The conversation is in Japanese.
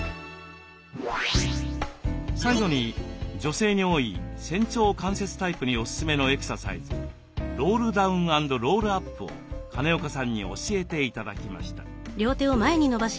最後に女性に多い仙腸関節タイプにおすすめのエクササイズロールダウン＆ロールアップを金岡さんに教えて頂きました。